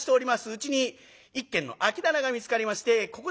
うちに一軒の空き店が見つかりましてここで商売。